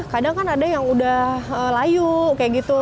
kadang kan ada yang udah layu kayak gitu